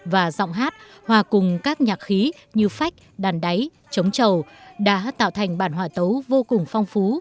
và giọng hát hòa cùng các nhạc khí như phách đàn đáy trống trầu đã tạo thành bản họa tấu vô cùng phong phú